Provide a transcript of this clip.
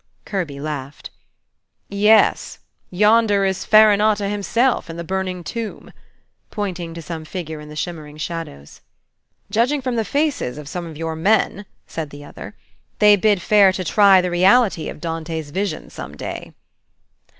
Kirby laughed. "Yes. Yonder is Farinata himself in the burning tomb," pointing to some figure in the shimmering shadows. "Judging from some of the faces of your men," said the other, "they bid fair to try the reality of Dante's vision, some day."